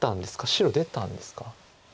白出たんですか。